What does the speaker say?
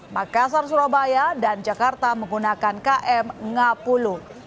makassar surabaya dan jakarta menggunakan km ngapulu